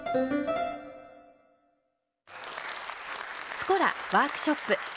「スコラワークショップ」。